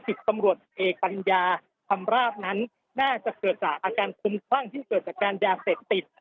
สิทธิ์สำรวจเอกปัญญาคำราบนั้นน่าจะเกิดจากอาการคุ้มคร่างที่เกิดจากการยาเสร็จติด